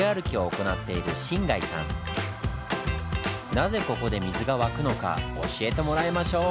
なぜここで水が湧くのか教えてもらいましょう！